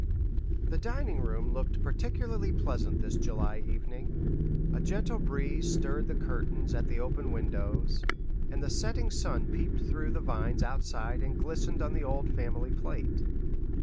The dining room looked particularly pleasant this July evening. A gentle breeze stirred the curtains at the open windows, and the setting sun peeped through the vines outside and glistened on the old family plate.